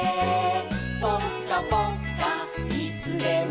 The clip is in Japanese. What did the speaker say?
「ぽかぽっかいつでも」